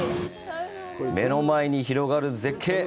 目の前に広がる絶景！